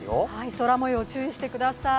空もよう、注してください。